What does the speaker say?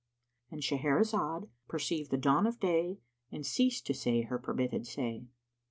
"—And Shahrazad perceived the dawn of day and ceased to say her permitted say.